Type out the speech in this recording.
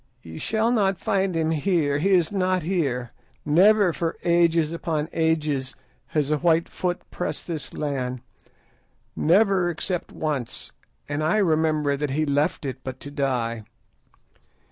Ye shall not find him here. He is not here. Never for ages upon ages has a white foot pressed this land; never except once, and I remember that he left it but to die.